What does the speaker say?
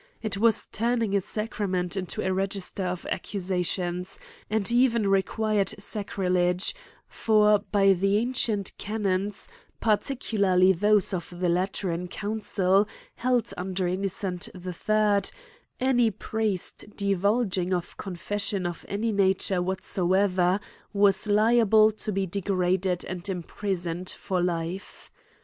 It was turning a sacrament into a register of accusations, and even required sacrilege ; for, by the ancient canons, particularly those of the lateran council held under Innocent III, any priest divulging of confession of any nature whatsoever, was liable to be degraded and imprisoned for life.